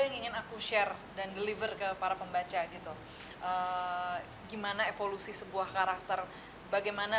yang ingin aku share dan deliver ke para pembaca gitu gimana evolusi sebuah karakter bagaimana